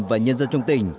và nhân dân trong tỉnh